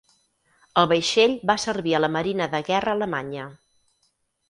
El vaixell Va servir a la Marina de Guerra alemanya.